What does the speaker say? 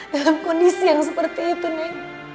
dalam kondisi yang seperti itu nih